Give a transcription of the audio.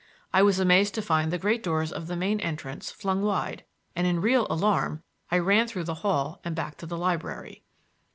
I was amazed to find the great doors of the main entrance flung wide, and in real alarm I ran through the hall and back to the library.